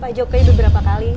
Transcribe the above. pak jokowi beberapa kali